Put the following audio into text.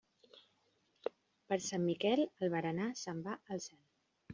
Per Sant Miquel, el berenar se'n va al cel.